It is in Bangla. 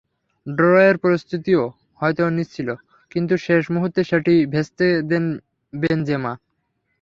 ড্রয়ের প্রস্তুতিও হয়তো নিচ্ছিল, কিন্তু শেষ মুহূর্তে সেটি ভেস্তে দেন বেনজেমা।